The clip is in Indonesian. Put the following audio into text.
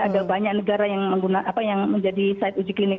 ada banyak negara yang menggunakan yang menjadi site uji klinik